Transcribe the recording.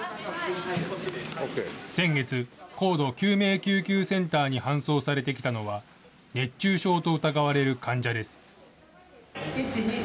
先月、高度救命救急センターに搬送されてきたのは、熱中症と疑われる患者です。